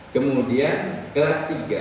kemudian kelas tiga